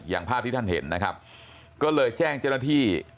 ภาพที่ท่านเห็นนะครับก็เลยแจ้งเจ้าหน้าที่